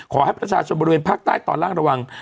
ขอให้ประชาชนบริเวณภาคใต้ตอนล่างระวัง